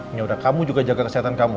ini udah kamu juga jaga kesehatan kamu